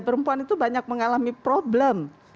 perempuan itu banyak mengalami problem